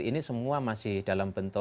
ini semua masih dalam bentuk